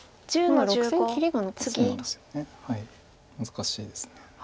難しいです。